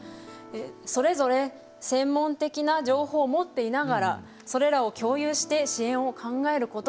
それぞれ専門的な情報を持っていながらそれらを共有して支援を考えることができなかったんです。